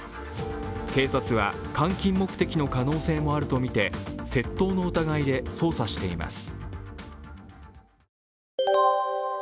警察は換金目的の可能性もあるとみて、窃盗の疑いで捜査しています。